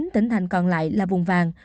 một mươi chín tỉnh thành còn lại là vùng vàng